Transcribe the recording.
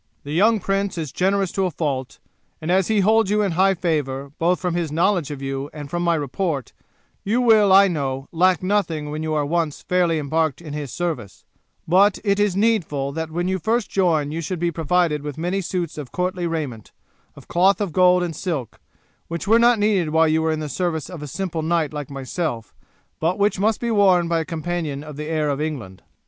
The young prince is generous to a fault, and as he holds you in high favour, both from his knowledge of you and from my report, you will, I know, lack nothing when you are once fairly embarked in his service; but it is needful that when you first join you should be provided with many suits of courtly raiment, of cloth of gold and silk, which were not needed while you were in the service of a simple knight like myself, but which must be worn by a companion of the heir of England."